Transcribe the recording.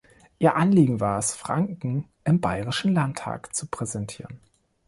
Ihr Anliegen war es, Franken im Bayerischen Landtag zu präsentieren.